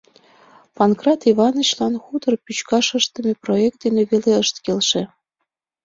Панкрат Иванычлан хутор пӱчкаш ыштыме проект дене веле ышт келше.